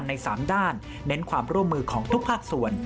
เน้นความร่วมมือของทุกภาคส่วน